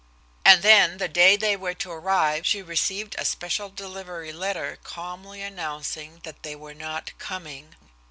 And then, the day they were to arrive, she received a special delivery letter calmly announcing that they were not coming.